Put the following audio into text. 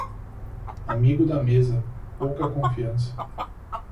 Amigo da mesa, pouca confiança.